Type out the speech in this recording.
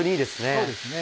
そうですね。